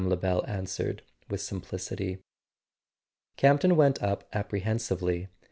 Lebel answered with simplicity. Campton went up apprehensively.